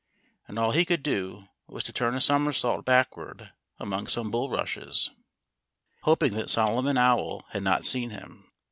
And all he could do was to turn a somersault backward among some bulrushes, hoping that Solomon Owl had not seen him.